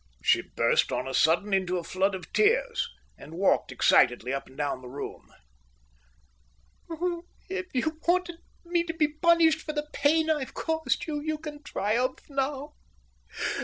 She burst on a sudden into a flood of tears, and walked excitedly up and down the room. "Oh, if you wanted me to be punished for the pain I've caused you, you can triumph now.